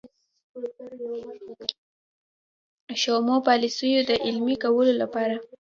شومو پالیسیو د عملي کولو لپاره.